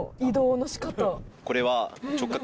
これは。